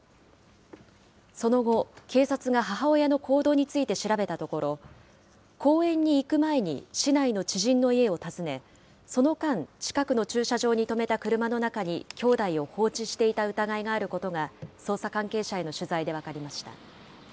その後、警察が母親の行動について調べたところ、公園に行く前に市内の知人の家を訪ね、その間、近くの駐車場に止めた車の中にきょうだいを放置していた疑いがあることが捜査関係者への取材で分かりました。